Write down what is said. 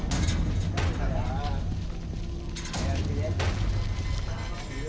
gak ada gitu